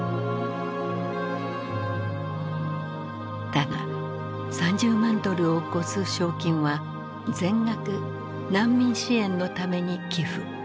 だが３０万ドルを超す賞金は全額難民支援のために寄付。